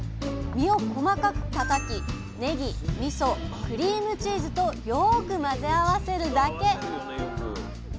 身を細かくたたきねぎみそクリームチーズとよく混ぜ合わせるだけ！